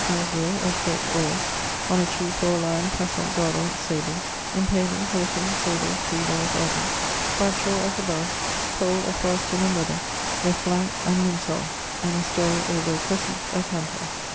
, azure, a fret or, on a chief or a lion passant gardant sable: impaling [Haughton], sable, 3 bars argent': Bradshaw, as above; Powell of Foresthill and Webber, left blank; and Minshull, '..., an estoyle over a crescent ... a canton....'>